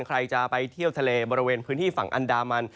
ใครจะไปเที่ยวทะเลบริเวณพื้นที่ฝั่งอันดามัน